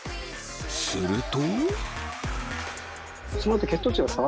すると。